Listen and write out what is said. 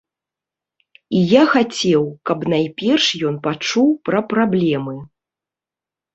І я хацеў, каб найперш ён пачуў пра праблемы.